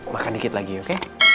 makan dikit lagi oke